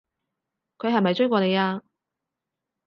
佢係咪追過你啊？